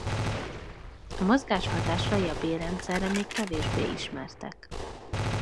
A mozgás hatásai a bélrendszerre még kevésbé ismertek.